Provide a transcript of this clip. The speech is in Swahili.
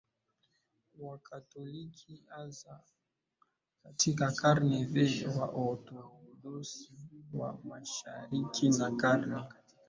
Wakatoliki hasa katika karne V Waorthodoksi wa Mashariki na karne